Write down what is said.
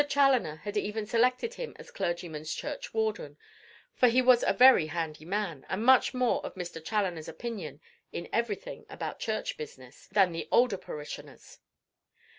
Chaloner had even selected him as clergyman's churchwarden, for he was a very handy man, and much more of Mr. Chaloner's opinion in everything about church business than the older parishioners.